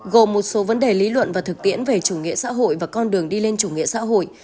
gồm một số vấn đề lý luận và thực tiễn về chủ nghĩa xã hội và con đường đi lên chủ nghĩa xã hội